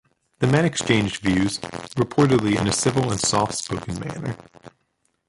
The men exchanged views, reportedly in a civil and soft-spoken manner.